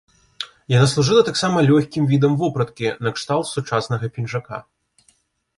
Яна служыла таксама лёгкім відам вопраткі, накшталт сучаснага пінжака.